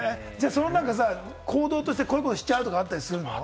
行動としてこういうことしちゃうってあるの？